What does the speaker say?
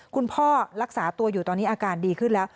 คุณพ่อรักษาตัวอยู่ตอนนี้อาการดีขึ้นแล้ว